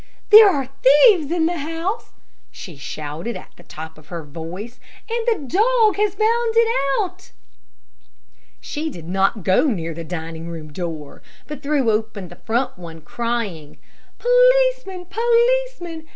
"There are thieves in the house," she shouted at the top of her voice, "and the dog has found it out." She did not go near the dining room door, but threw open the front one, crying, "Policeman! Policeman!